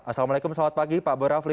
assalamualaikum selamat pagi pak boy rafli